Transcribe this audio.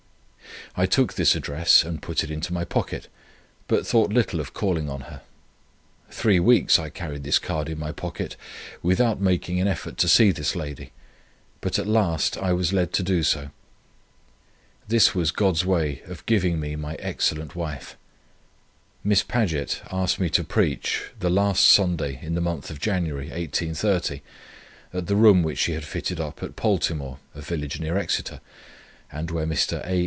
I took this address and put it into my pocket, but thought little of calling on her. Three weeks I carried this card in my pocket, without making an effort to see this lady; but at last I was led to do so. This was God's way of giving me my excellent wife. Miss Paget asked me to preach the last Tuesday in the month of January, 1830, at the room which she had fitted up at Poltimore, a village near Exeter, and where Mr. A.